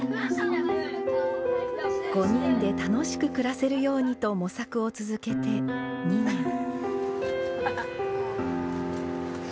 ５人で楽しく暮らせるようにと模索を続けて２年。